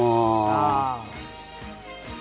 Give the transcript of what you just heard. ああ。